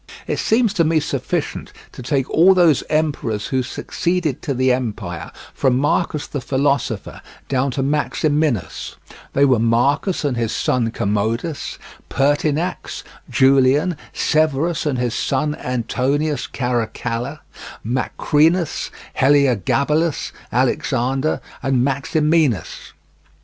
It seems to me sufficient to take all those emperors who succeeded to the empire from Marcus the philosopher down to Maximinus; they were Marcus and his son Commodus, Pertinax, Julian, Severus and his son Antoninus Caracalla, Macrinus, Heliogabalus, Alexander, and Maximinus.